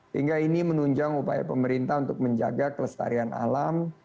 sehingga ini menunjang upaya pemerintah untuk menjaga kelestarian alam